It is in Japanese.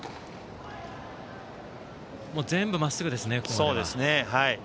全部まっすぐですね。